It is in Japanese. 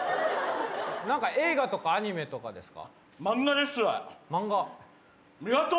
何か映画とかアニメとかですか？